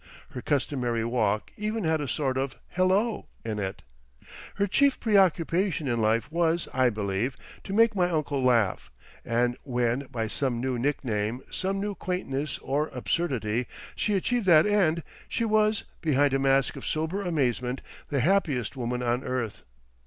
Her customary walk even had a sort of hello! in it. Her chief preoccupation in life was, I believe, to make my uncle laugh, and when by some new nickname, some new quaintness or absurdity, she achieved that end, she was, behind a mask of sober amazement, the happiest woman on earth.